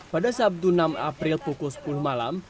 pada sabtu enam april pukul sepuluh malam